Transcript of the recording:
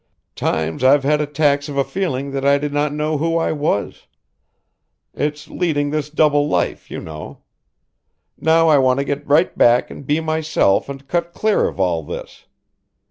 Times I've had attacks of a feeling that I did not know who I was. It's leading this double life, you know. Now I want to get right back and be myself and cut clear of all this.